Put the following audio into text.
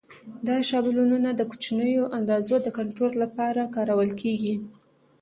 دا شابلونونه د کوچنیو اندازو د کنټرول لپاره کارول کېږي.